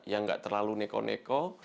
yang gak terlalu neko neko